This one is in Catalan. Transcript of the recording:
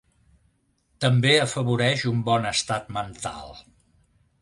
També afavoreix un bon estat mental.